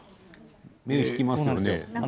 目を引きますね。